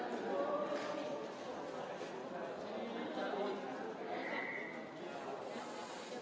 ขอบคุณครับ